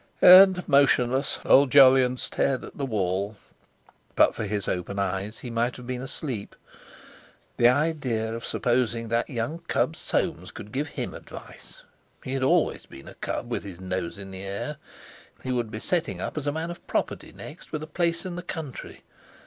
And, motionless, old Jolyon stared at the wall; but for his open eyes, he might have been asleep.... The idea of supposing that young cub Soames could give him advice! He had always been a cub, with his nose in the air! He would be setting up as a man of property next, with a place in the country!